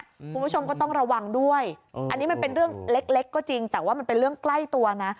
คุณผู้ชมก็ต้องระวังด้วยอันนี้มันเป็นเรื่องเล็กเล็กก็จริงแต่ว่ามันเป็นเรื่องใกล้ตัวนะ